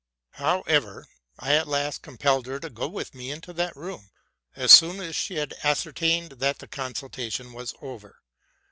However, I at last compelled her to go with me into that room, as soon as she had ascertained that the consultation was over.